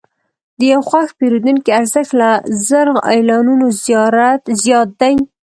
د یو خوښ پیرودونکي ارزښت له زر اعلانونو زیات دی.